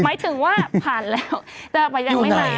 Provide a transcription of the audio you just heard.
หมายถึงว่าผ่านแล้วแต่อีกอยู่ไหน